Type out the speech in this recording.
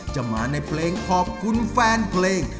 จะมาในเพลงขอบคุณแฟนเพลง